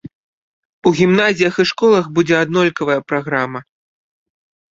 У гімназіях і школах будзе аднолькавая праграма.